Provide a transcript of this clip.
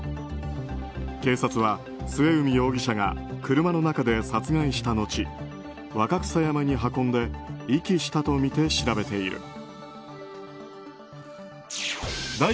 警察は、末海容疑者が車の中で殺害したのち若草山に運んで遺棄したとみて調べている。